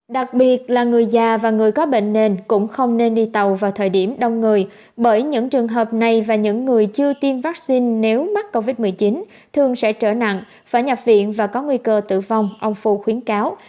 đặc biệt là người già và người có bệnh nền cũng không nên đi tàu vào thời điểm đông người bởi những trường hợp này và những người chưa tiêm vaccine nếu mắc covid một mươi chín thường sẽ trở nặng phải nhập viện và có nguy cơ tử vong ông phu khuyến cáo